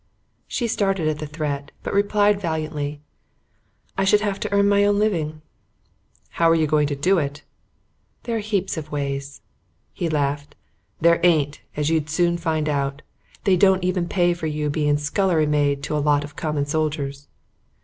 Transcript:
She started at the threat but replied valiantly: "I should have to earn my own living." "How are you going to do it?" "There are heaps of ways." He laughed. "There ain't; as you'd soon find out. They don't even pay you for being scullery maid to a lot of common soldiers."